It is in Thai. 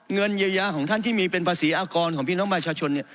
เงินเยียวยาของท่านที่มีเป็นภาษีอากรของพี่น้องประชาชนเนี่ย